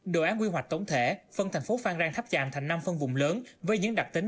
đồ án quy hoạch tổng thể phân thành phố phan rang tháp chạm thành năm phân vùng lớn với những đặc tính